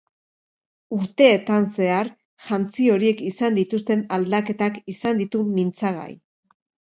Urteetan zehar jantzi horiek izan dituzten aldaketak izan ditu mintzagai.